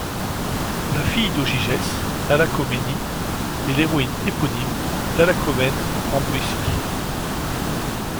La fille d'Ogygès, Alalcoménie est l'héroïne éponyme d'Alalcomènes en Béotie.